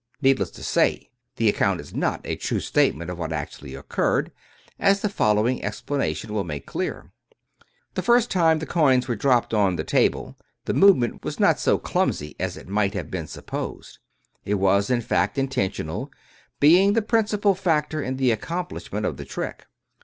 Needless to say, the account is not a true statement of what actually occurred, as the following explanation will make clear: The first time the coins were dropped on to the table, the movement was not so " clumsy " as might have been supposed. It was, in fact, intentional, being the principal factor in the accomplishment of the trick.